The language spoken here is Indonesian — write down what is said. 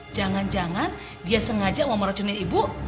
jangan jangan dia sengaja mau meracunin ibu